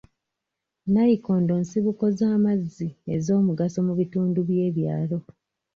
Nnayikondo nsibuko z'amazzi ez'omugaso mu bitundu by'ebyalo.